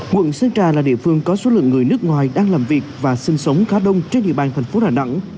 quận sơn trà là địa phương có số lượng người nước ngoài đang làm việc và sinh sống khá đông trên địa bàn thành phố đà nẵng